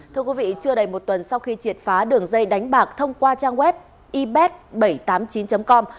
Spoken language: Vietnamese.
thưa quý vị chưa đầy một tuần sau khi triệt phá đường dây đánh bạc thông qua trang web ib bảy trăm tám mươi chín com